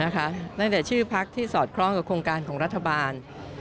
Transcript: ตั้งแต่ชื่อพักที่สอดคล้องกับโครงการของรัฐบาล